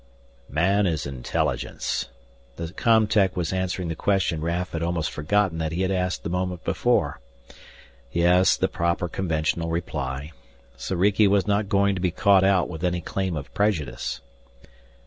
"Man is intelligence." The com tech was answering the question Raf had almost forgotten that he had asked the moment before. Yes, the proper conventional reply. Soriki was not going to be caught out with any claim of prejudice.